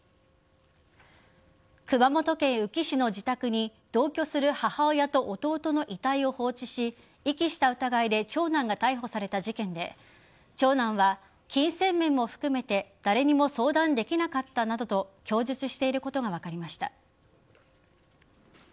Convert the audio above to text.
熊本県宇城市の自宅に同居する母親と弟の遺体を放置し遺棄した疑いで長男が逮捕された事件で長男は、金銭面も含めて誰にも相談できなかったなどと供述していることが分かりました。